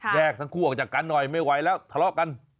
ทั้งคู่ออกจากกันหน่อยไม่ไหวแล้วทะเลาะกัน